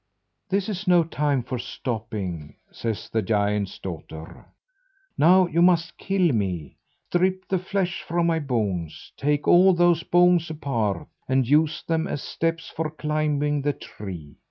"This is no time for stopping," says the giant's daughter. "Now you must kill me, strip the flesh from my bones, take all those bones apart, and use them as steps for climbing the tree.